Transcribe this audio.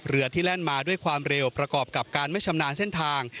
เรือที่แล่นมาด้วยความเร็วประกอบกับการไม่ชำนาญเส้นทาง